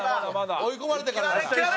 「追い込まれてからだから」